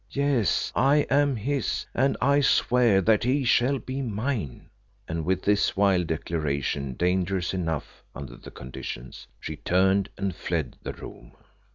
Yes, I am his, and I swear that he shall be mine;" and with this wild declaration dangerous enough under the conditions, she turned and fled the room.